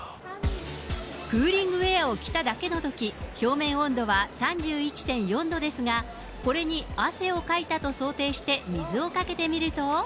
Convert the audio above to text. クーリングウエアを着ただけのとき、表面温度は３１．４度ですが、これに汗をかいたと想定して水をかけてみると。